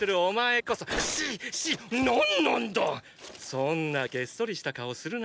そんなゲッソリした顔するな。